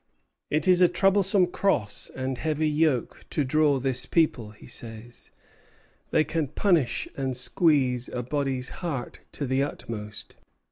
"It is a troublesome cross and heavy yoke to draw this people," he says; "they can punish and squeeze a body's heart to the utmost.